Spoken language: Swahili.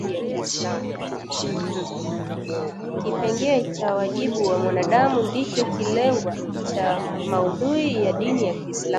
Kipengee cha wajibu wa mwanadamu ndicho kilengwa cha maudhui ya dini ya Kiislamu